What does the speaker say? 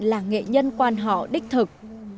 là nghệ nhân quán họ đích thực